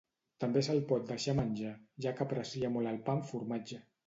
També se'l pot deixar menjar, ja que aprecia molt el pa amb formatge.